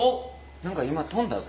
何か今飛んだぞ。